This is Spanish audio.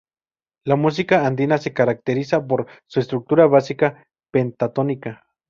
La música andina se caracteriza por su estructura básica pentatónica.